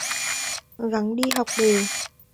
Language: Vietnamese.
Gắng đi học đều